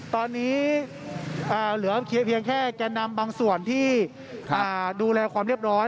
ตอนนี้เหลือเพียงแค่แก่นำบางส่วนที่ดูแลความเรียบร้อย